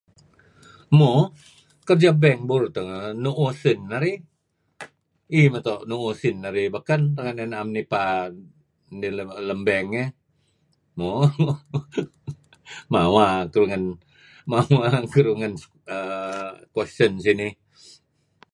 Mo, kerja bank burur teh nu'uh sin narih, iih meto' nu'uh sin narih renga' na'em nipa dih lem bank eh. Mo mawa keduih ngan question sinih.